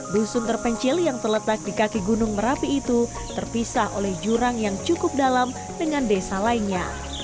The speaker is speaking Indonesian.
dusun terpencil yang terletak di kaki gunung merapi itu terpisah oleh jurang yang cukup dalam dengan desa lainnya